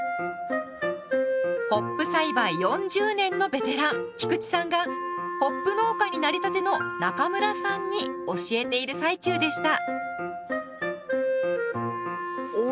ホップ栽培４０年のベテラン菊池さんがホップ農家になりたての中村さんに教えている最中でした。